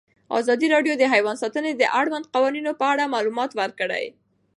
ازادي راډیو د حیوان ساتنه د اړونده قوانینو په اړه معلومات ورکړي.